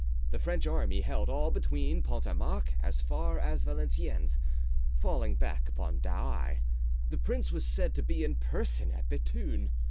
The French army held all between Pont a Marc as far as Valenciennes, falling back upon Douai. The prince was said to be in person at Bethune.